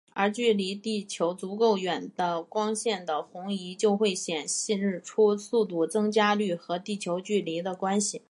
而距离地球足够远的光源的红移就会显示出速度增加率和地球距离的关系。